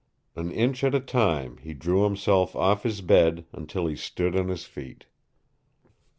An inch at a time he drew himself off his bed until he stood on his feet.